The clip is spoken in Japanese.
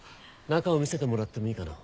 中を見せてもらってもいいかな？